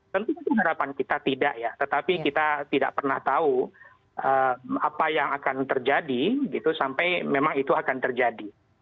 tentu harapan kita tidak ya tetapi kita tidak pernah tahu apa yang akan terjadi gitu sampai memang itu akan terjadi